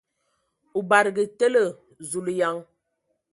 O badǝge tele ! Zulǝyaŋ!